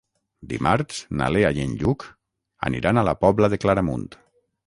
Dimarts na Lea i en Lluc aniran a la Pobla de Claramunt.